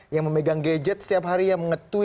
yang memegang gadget